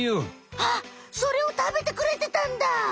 あっそれを食べてくれてたんだ！